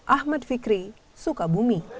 ahmad fikri sukabumi